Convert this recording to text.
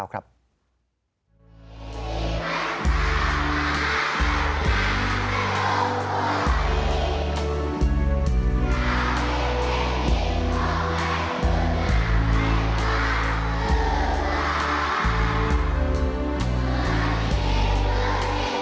คุณครับในหลวงรัชกาลที่๙